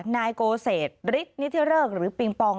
นายโกเศษริดนิเทอร์เริกหรือปิงปอง